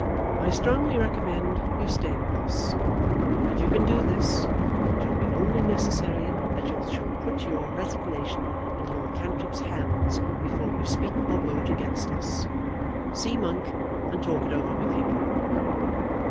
I strongly recommend you to stay with us. If you can do this it will be only necessary that you shall put your resignation in Lord Cantrip's hands before you speak or vote against us. See Monk and talk it over with him."